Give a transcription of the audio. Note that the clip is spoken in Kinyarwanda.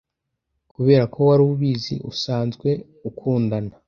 kuberako wari ubizi usanzwe ukundana